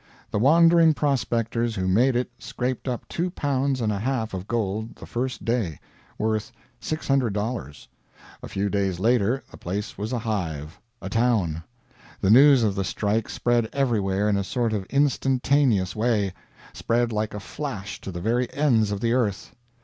The wandering prospectors who made it scraped up two pounds and a half of gold the first day worth $600. A few days later the place was a hive a town. The news of the strike spread everywhere in a sort of instantaneous way spread like a flash to the very ends of the earth.